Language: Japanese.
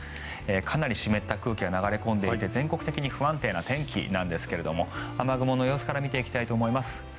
かなり湿った空気が流れ込んでいて全国的に不安定な天気なんですが雨雲の様子から見ていきたいと思います。